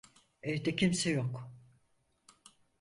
Evde kimse yok.